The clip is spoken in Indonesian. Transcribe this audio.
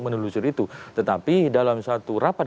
menelusuri itu tetapi dalam satu rapat